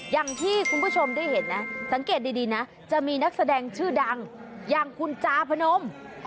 อย่างที่คุณผู้ชมได้เห็นนะสังเกตดีนะจะมีนักแสดงชื่อดังอย่างคุณจาพนม